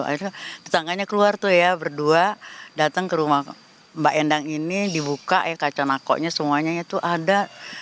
akhirnya tetangganya keluar tuh ya berdua datang ke rumah mbak endang ini dibuka ya kaca nakonya semuanya itu ada